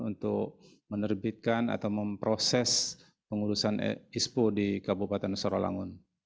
untuk menerbitkan atau memproses pengurusan ispo di kabupaten sarawangun